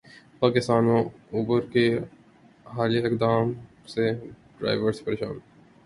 پاکستان میں اوبر کے حالیہ اقدام سے ڈرائیورز پریشان